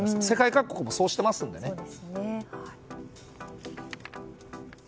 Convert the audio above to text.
世界各国もそうしていますのでね。